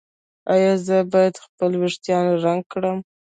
ایا زه باید خپل ویښتان رنګ کړم؟